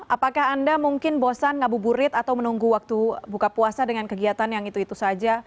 apakah anda mungkin bosan ngabuburit atau menunggu waktu buka puasa dengan kegiatan yang itu itu saja